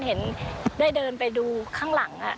เห็นได้เดินไปดูข้างหลัง